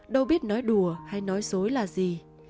đâu biết nói đùa hay nói dối